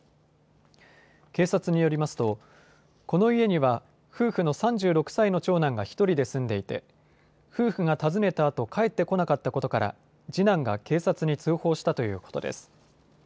警察によりますとこの家には夫婦の３６歳の長男が１人で住んでいて夫婦が訪ねたあと帰ってこなかったことから次男が警察に通報したということです。